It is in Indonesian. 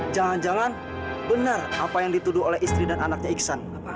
jangan jangan benar apa yang dituduh oleh istri dan anaknya iksan